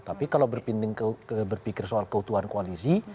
tapi kalau berpikir soal keutuhan koalisi